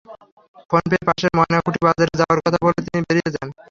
Phone পেয়ে পাশের ময়নাকুঠি বাজারে যাওয়ার কথা বলে তিনি বেরিয়ে যান।